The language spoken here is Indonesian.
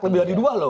lebih dari dua loh